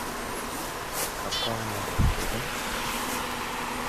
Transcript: Капка онада уке гын